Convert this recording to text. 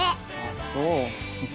そう。